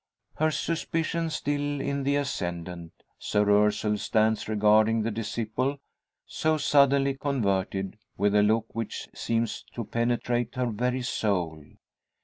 Her suspicion still in the ascendant, Soeur Ursule stands regarding the disciple, so suddenly converted, with a look which seems to penetrate her very soul.